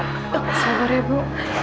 masya allah ya ibu